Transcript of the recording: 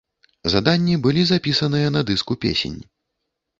Заданні былі запісаныя на дыску песень.